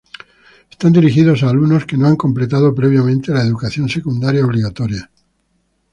Están dirigidos a alumnos que no han completado previamente la Educación Secundaria Obligatoria.